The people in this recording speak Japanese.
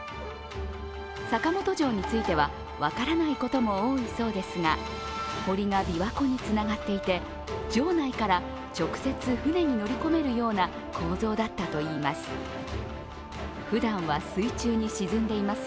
坂本城については分からないことも多いそうですが、堀が琵琶湖につながっていて城内から直接船に乗り込めるような構造だったといいます。